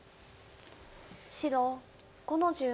白５の十五。